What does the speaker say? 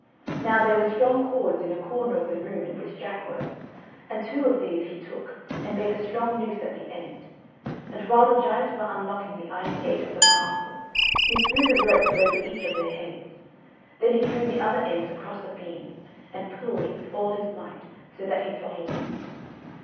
Now, there were strong cords in a corner of the room in which Jack was, and two of these he took, and made a strong noose at the end; and while the giants were unlocking the iron gate of the castle he threw the ropes over each of their heads. Then he drew the other ends across a beam, and pulled with all his might, so that he throttled them.